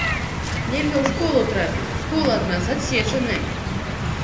Нельга ў школу трапіць, школа ад нас адсечаная.